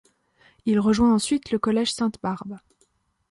Il rejoint ensuite le Collège Sainte-Barbe.